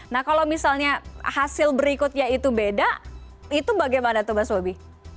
nah kalau misalnya hasil berikutnya itu beda itu bagaimana tuh mas bobi